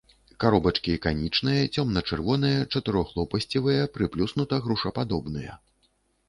Каробачкі канічныя, цёмна-чырвоныя, чатырохлопасцевыя, прыплюснута-грушападобныя.